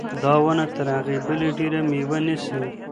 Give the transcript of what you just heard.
دا ونه تر هغې بلې ډېره مېوه نیسي.